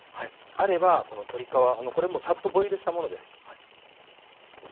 あればこの鶏皮これもうサッとボイルしたものです。